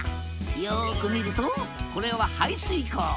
よく見るとこれは排水溝。